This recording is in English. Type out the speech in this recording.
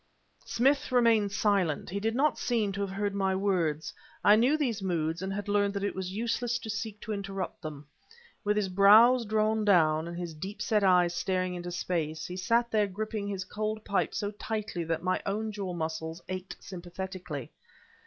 Smith remained silent; he did not seem to have heard my words. I knew these moods and had learnt that it was useless to seek to interrupt them. With his brows drawn down, and his deep set eyes staring into space, he sat there gripping his cold pipe so tightly that my own jaw muscles ached sympathetically.